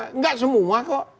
tidak semua kok